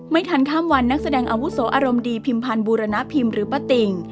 ไม่ทันข้ามวันนักแสดงอาวุโสอารมณ์ดีพิมพันธ์บูรณพิมพ์หรือป้าติ่ง